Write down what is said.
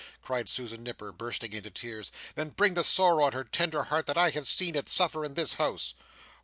cried Susan Nipper, bursting into tears, "than bring the sorrow on her tender heart that I have seen it suffer in this house!"